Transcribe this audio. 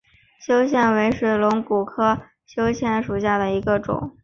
修蕨为水龙骨科修蕨属下的一个种。